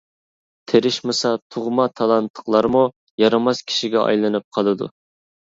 تىرىشمىسا تۇغما تالانتلىقلارمۇ يارىماس كىشىگە ئايلىنىپ قالىدۇ.